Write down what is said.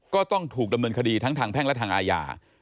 ก็ต้องถูกดำเนินคดีทั้งทางแพ่งและทางอาญา